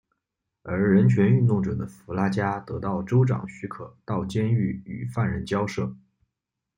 而人权运动者的弗拉加得到州长许可到监狱与犯人交涉。